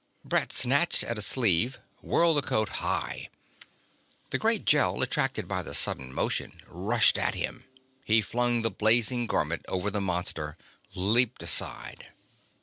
Brett snatched at a sleeve, whirled the coat high. The great Gel, attracted by the sudden motion, rushed at him. He flung the blazing garment over the monster, leaped aside.